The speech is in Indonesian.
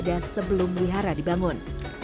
yang sudah ada sebelum wihara dibangun